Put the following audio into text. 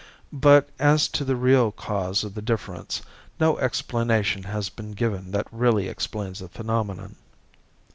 But, as to the real cause of the difference, no explanation has been given that really explains the phenomenon.